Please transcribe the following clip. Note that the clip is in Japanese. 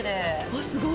あっすごい！